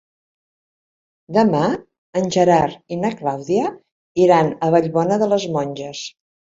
Demà en Gerard i na Clàudia iran a Vallbona de les Monges.